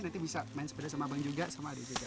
nanti bisa main sepeda sama bang juga sama adit juga